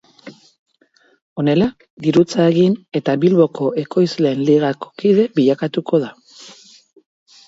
Honela, dirutza egin eta Bilboko Ekoizleen Ligako kide bilakatuko da.